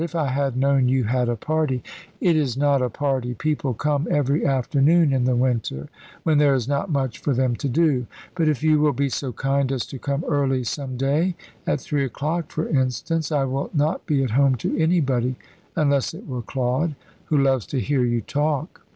"If I had known you had a party " "It is not a party. People come every afternoon in the winter, when there is not much for them to do; but if you will be so kind as to come early some day, at three o'clock, for instance, I will not be at home to anybody, unless it were Claude, who loves to hear you talk."